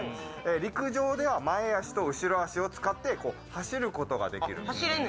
陸上では前足と後ろ足を使って走ることができるんです。